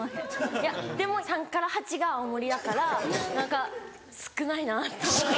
いやでも三から八が青森だから何か少ないなと思って。